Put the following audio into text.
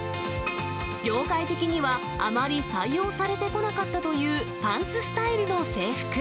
業界的には、あまり採用されてこなかったというパンツスタイルの制服。